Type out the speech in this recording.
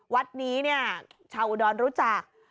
วัดนี้ชาวอุดรรู้จัก